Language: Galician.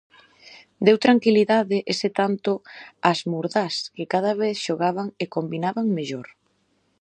Deu tranquilidade ese tanto ás muradás que cada vez xogaban e combinaban mellor.